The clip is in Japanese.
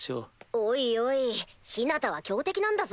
おいおいヒナタは強敵なんだぞ？